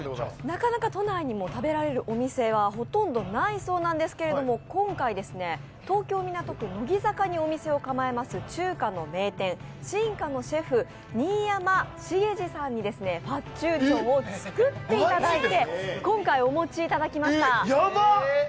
なかなか都内にも食べられるお店はほとんどないそうなんですけど今回、東京・港区乃木坂にお店を構えます中華の名店、新華のシェフ、新山重治さんにファッチューチョンを作っていただいて、今回お持ちいただきました。